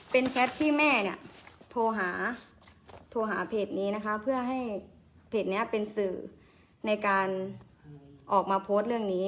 เป็นแชทที่แม่เนี่ยโทรหาโทรหาเพจนี้นะคะเพื่อให้เพจนี้เป็นสื่อในการออกมาโพสต์เรื่องนี้